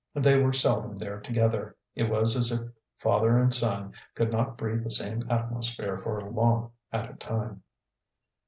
They were seldom there together: it was as if father and son could not breathe the same atmosphere for long at a time.